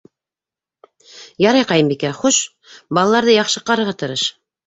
— Ярай, ҡәйенбикә, хуш, балаларҙы яҡшы ҡарарға тырыш.